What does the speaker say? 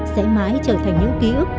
sẽ mãi trở thành những ký ức